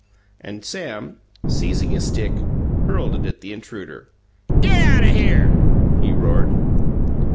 And Sam, seizing a stick, hurled it at the intruder. "Get out o' here!" he roared.